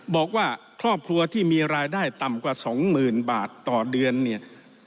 บอกว่าครอบครัวที่มีรายได้ต่ำกว่าสองหมื่นบาทต่อเดือนเนี่ย